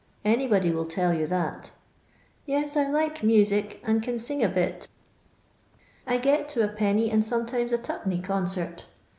Anybody will tell you that Yet, I like music and can sing a bit I get to a penny and sometimes a two penny concert.